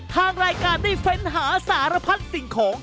ทางรายการได้เฟ้นหาสารพัดสิ่งของ